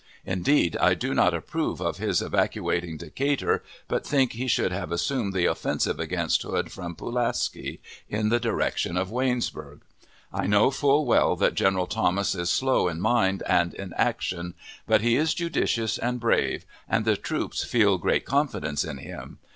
Indeed, I do not approve of his evacuating Decatur, but think he should have assumed the offensive against Hood from Pulaski, in the direction of Waynesburg. I know full well that General Thomas is slow in mind and in action; but he is judicious and brave and the troops feel great confidence in him.